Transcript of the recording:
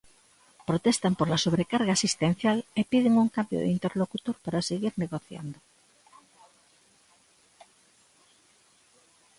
Protestan pola sobrecarga asistencial e piden un cambio de interlocutor para seguir negociando.